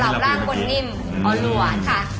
กล้าวร้างกนนิ่มออร่วน